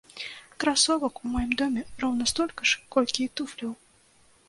Красовак у маім доме роўна столькі ж, колькі і туфляў!